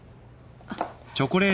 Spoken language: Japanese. あっ。